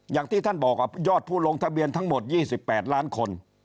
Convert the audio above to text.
อย่างที่ท่านบอกยอดผู้ลงทะเบียนทั้งหมด๒๘ล้านคน